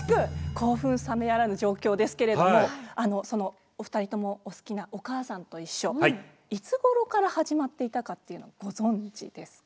興奮冷めやらぬ状況ですけれどもそのお二人ともお好きな「おかあさんといっしょ」いつごろから始まっていたかっていうのご存じですか？